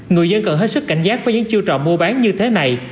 người dân cần hết sức cảnh giác với những chiêu trò mua bán như thế này